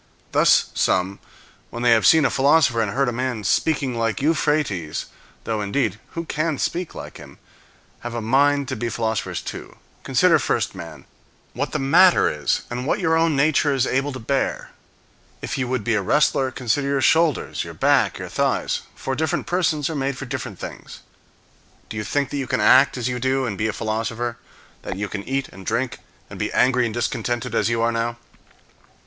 Thus some, when they have seen a philosopher and heard a man speaking like Euphrates (though, indeed, who can speak like him?), have a mind to be philosophers too. Consider first, man, what the matter is, and what your own nature is able to bear. If you would be a wrestler, consider your shoulders, your back, your thighs; for different persons are made for different things. Do you think that you can act as you do, and be a philosopher? That you can eat and drink, and be angry and discontented as you are now?